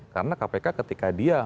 karena kpk ketika dia